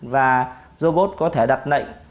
và robot có thể đặt lệnh